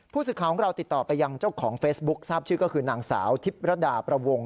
ผู้สื่อข่าวของเราติดต่อไปยังเจ้าของเฟซบุ๊คทราบชื่อก็คือนางสาวทิพย์รดาประวง